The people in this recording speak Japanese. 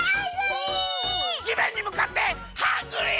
じめんにむかってハングリー！